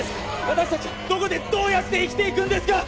私達はどこでどうやって生きていくんですか！